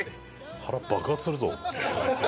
腹爆発するぞ。